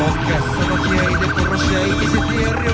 その気合いで殺し合い見せてやれよ